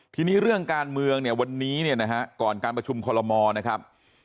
ทีนี้เรื่องการเมืองเนี่ยวันนี้เนี่ยนะฮะก่อนการประชุมคอลโมนะครับ